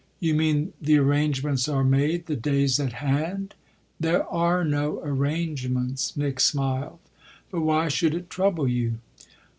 "You mean the arrangements are made the day's at hand?" "There are no arrangements," Nick smiled. "But why should it trouble you?"